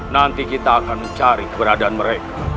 nanti kita akan mencari keberadaan mereka